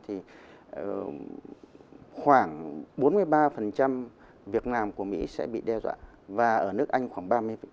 thì khoảng bốn mươi ba việc làm của mỹ sẽ bị đe dọa và ở nước anh khoảng ba mươi